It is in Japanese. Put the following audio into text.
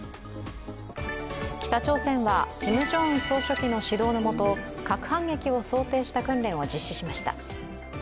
北朝鮮はキム・ジョンウン総書記の指導のもと核反撃を想定した訓練を実施しました。